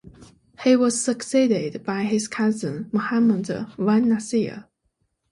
He was succeeded by his cousin Muhammad V an-Nasir.